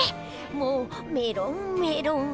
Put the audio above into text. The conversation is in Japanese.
もうメロンメロン。